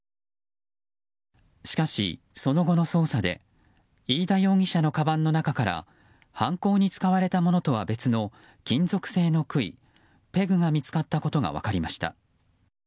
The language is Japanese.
しかし、その後の捜査で飯田容疑者のかばんの中から犯行に使われたものとは別の金属製の杭、ペグが見つかったことが分かりました。